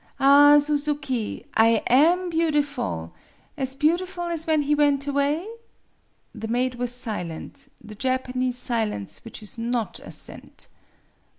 " Ah, Suzuki ! I am beautiful as beautiful as when he went away ?" The maid was silent the Japanese silence which is not assent.